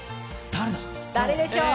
誰でしょう？